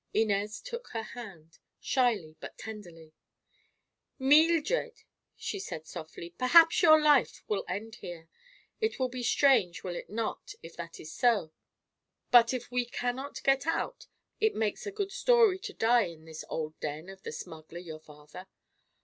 Inez took her hand, shyly but tenderly. "Meeldred," she said softly, "perhaps your life will end here. It will be strange, will it not, if that is so? But if we cannot get out, it makes a good story to die in this old den of the smuggler, your father.